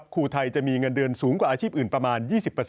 ครูไทยจะมีเงินเดือนสูงกว่าอาชีพอื่นประมาณ๒๐